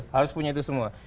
harus punya itu semua